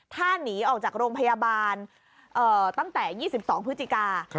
ท่านหนีออกจากโรงพยาบาลตั้มแต่๒๒พค